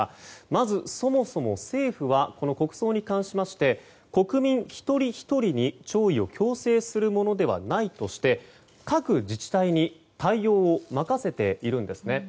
まず、そもそも政府はこの国葬に関しまして国民一人ひとりに弔意を強制するものではないとして各自治体に対応を任せているんですね。